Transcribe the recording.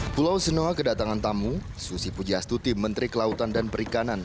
pulau senoa kedatangan tamu susi pujiastuti menteri kelautan dan perikanan